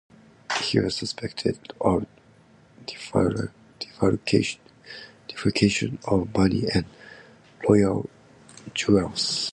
He was suspected of defalcation of money and royal jewels.